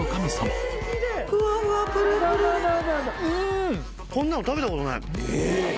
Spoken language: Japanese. うん！